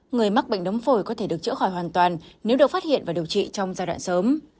người mắc bệnh đống phổi có thể được chữa khỏi hoàn toàn nếu được phát hiện và điều trị trong giai đoạn sớm